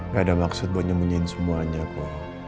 gak ada maksud buat nyemunyiin semuanya bu